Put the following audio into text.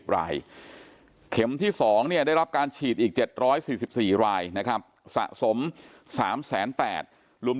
รายเข็มที่๒เนี่ยได้รับการฉีดอีก๗๔๔รายนะครับสะสม๓๘๐๐ลุม